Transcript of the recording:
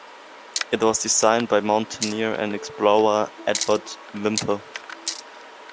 It was designed by mountaineer and explorer Edward Whymper.